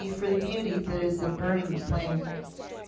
for the beauty that is as a burning flame!)